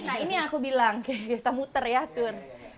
nah ini yang aku bilang kita muter ya tur